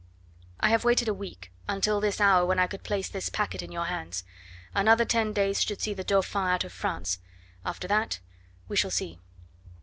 "I have waited a week, until this hour when I could place this packet in your hands; another ten days should see the Dauphin out of France after that, we shall see."